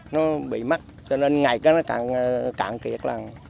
nó bị mất cho nên ngày càng cạn kiệt